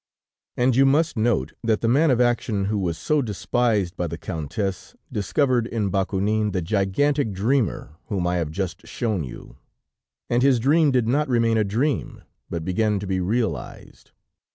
"And you must note, that the man of action who was so despised by the Countess, discovered in Bakounine the gigantic dreamer whom I have just shown you, and his dream did not remain a dream, but began to be realized.